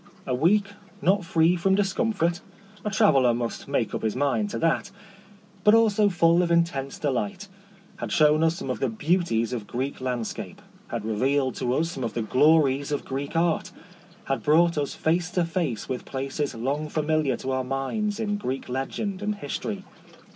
A week, not free from discomfort — a traveller must make up his mind to that — but also full of intense delight, had shown us some of the beauties of Greek landscape, had revealed to us some of the glories of Greek art, had brought us face to face with places long familiar to our minds in Greek legend and history.